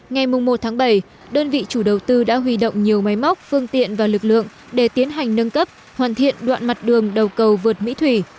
ngày một tháng bảy đơn vị chủ đầu tư đã huy động nhiều máy móc phương tiện và lực lượng để tiến hành nâng cấp hoàn thiện đoạn mặt đường đầu cầu vượt mỹ thủy